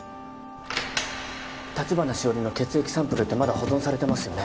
橘しおりの血液サンプルってまだ保存されてますよね？